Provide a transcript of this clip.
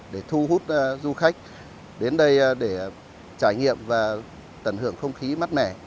để thu hút du khách đến đây để trải nghiệm và tận hưởng không khí mát mẻ